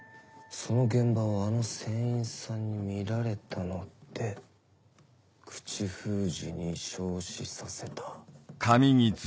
その現場をあの船員さんに見られたので口封じに焼死させた。